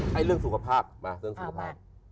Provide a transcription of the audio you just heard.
ให้เรื่องสุขภาพมาเรื่องสุขภาพ